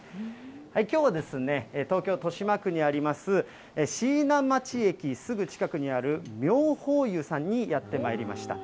きょうはですね、東京・豊島区にあります、椎名町駅すぐ近くにある、妙法湯さんにやってまいりました。